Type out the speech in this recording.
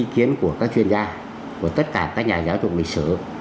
ý kiến của các chuyên gia của tất cả các nhà giáo dục lịch sử